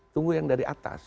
tunggu yang dari atas